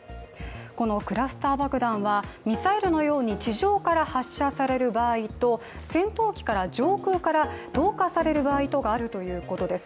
このクラスター爆弾はミサイルのように地上から発射される場合と、戦闘機から上空から投下される場合とがあるということです。